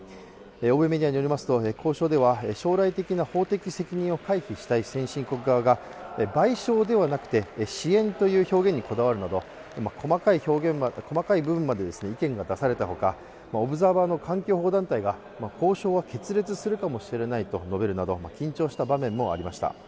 欧米メディアによりますと交渉には、将来的な法的責任を回避したい先進国側が賠償ではなくて支援という表現にこだわるなど細かい部分まで意見が出されたほかオブザーバーの環境保護団体が交渉は決裂するかもしれないと述べるなど緊張した場面もありました。